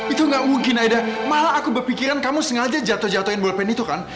itu gak mungkin aida malah aku berpikiran kamu sengaja jatuh jatuhin ball pen itu kan